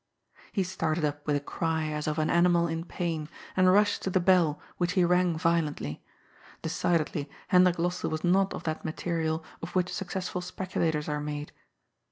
He started up with a cry a^ of an animal in pain, and rushed to the bell, which he rang violently. Decidedly, Hendrik Lossell was not of that material of which success ful speculators are made.